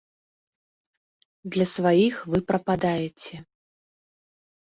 Для сваіх вы прападаеце.